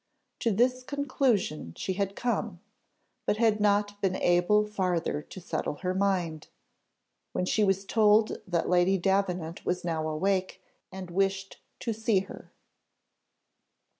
To this conclusion she had come, but had not been able farther to settle her mind, when she was told that Lady Davenant was now awake, and wished to see her.